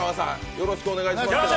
よろしくお願いします。